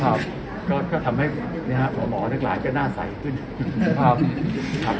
ครับก็ก็ทำให้เนี่ยฮะหมอนักหลายก็หน้าใสขึ้นครับ